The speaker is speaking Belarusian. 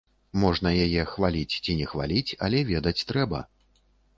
Можна яе хваліць ці не хваліць, але ведаць трэба!